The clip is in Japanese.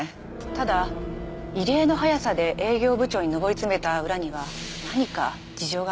ただ異例の早さで営業部長に上り詰めた裏には何か事情がありそうです。